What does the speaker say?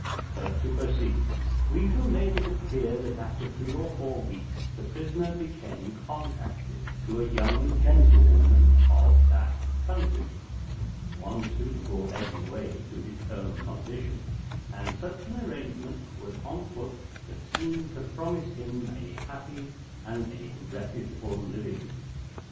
But to proceed. We shall make it appear that after three or four weeks the prisoner became contracted to a young gentlewoman of that country, one suitable every way to his own condition, and such an arrangement was on foot that seemed to promise him a happy and a reputable living.